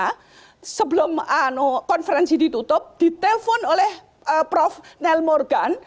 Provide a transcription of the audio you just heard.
karena sebelum konferensi ditutup ditelepon oleh prof nel morgan